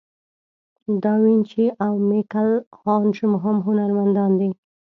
داوینچي او میکل آنژ مهم هنرمندان دي.